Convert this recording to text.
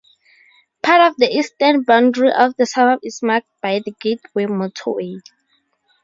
Part of the eastern boundary of the suburb is marked by the Gateway Motorway.